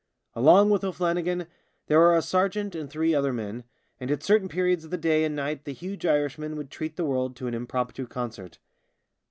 Along with O'Flannigan there were a sergeant and three other men, and at certain periods of the day and night the huge Irishman would treat the world to an impromptu concert.